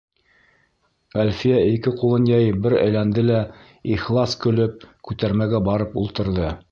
Әлфиә ике ҡулын йәйеп бер әйләнде лә, ихлас көлөп, күтәрмәгә барып ултырҙы.